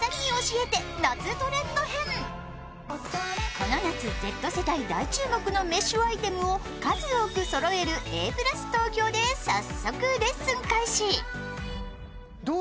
この夏、Ｚ世代大注目のメッシュ素材を数多くそろえるＡ＋ＴＯＫＹＯで早速レッスン開始。